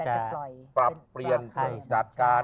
ก็เลือกรูปรวมกันนั่นแหละแต่จะปล่อย